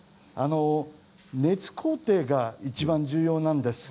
熱工程がいちばん重要なんです。